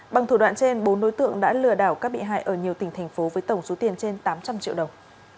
bằng thủ đoạn trên bốn đối tượng đã lừa đảo các bị hại ở nhiều tỉnh thành phố với tổng số tiền trên tám trăm linh triệu đồng